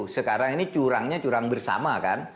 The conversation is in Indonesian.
sekarang ini curangnya curang bersama kan